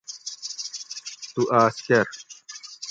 تو آس کر